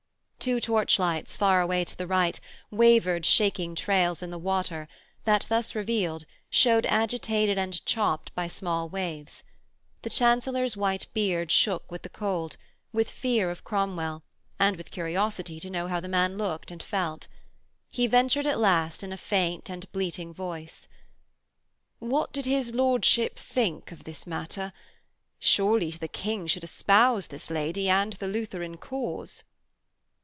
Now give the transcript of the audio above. Two torchlights, far away to the right, wavered shaking trails in the water that, thus revealed, shewed agitated and chopped by small waves. The Chancellor's white beard shook with the cold, with fear of Cromwell, and with curiosity to know how the man looked and felt. He ventured at last in a faint and bleating voice: What did his lordship think of this matter? Surely the King should espouse this lady and the Lutheran cause.